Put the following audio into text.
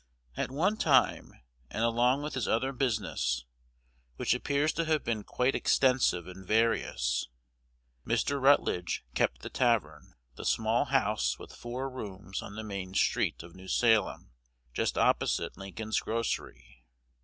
At one time, and along with his other business, which appears to have been quite extensive and various, Mr. Rutledge kept the tavern, the small house with four rooms on the main street of New Salem, just opposite Lincoln's grocery.